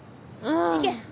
行け！